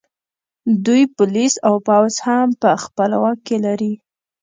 دوی پولیس او پوځ هم په خپل واک کې لري